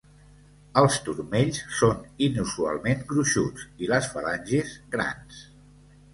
Els turmells són inusualment gruixuts i les falanges grans.